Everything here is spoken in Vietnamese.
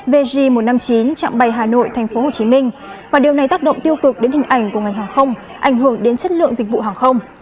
vg một trăm năm mươi chín chặng bay hà nội tp hcm và điều này tác động tiêu cực đến hình ảnh của ngành hàng không ảnh hưởng đến chất lượng dịch vụ hàng không